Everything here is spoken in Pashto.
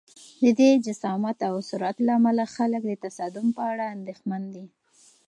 د دې جسامت او سرعت له امله خلک د تصادم په اړه اندېښمن دي.